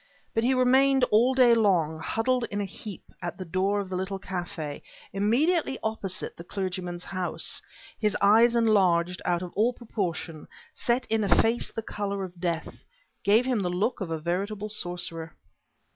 But he remained all day long, huddled in a heap at the door of the little café immediately opposite the clergyman's house, his eyes enlarged out of all proportion, set in a face the color of death, gave him the look of a veritable sorcerer.